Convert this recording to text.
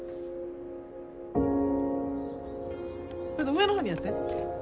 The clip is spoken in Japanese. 上の方にやって。